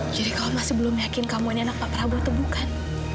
jadi kamu masih belum yakin kamu ini anak papa prabowo atau bukan